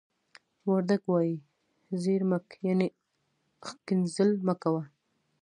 وردگ وايي: "زيَړِ مَ کَ." يعنې ښکنځل مه کوه.